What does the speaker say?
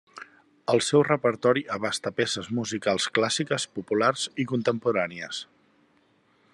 El seu repertori abasta peces musicals clàssiques, populars i contemporànies.